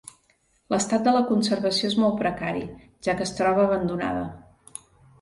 L'estat de conservació és molt precari, ja que es troba abandonada.